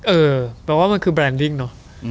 เออแปลว่ามันคือแบรนดิ้งเนอะ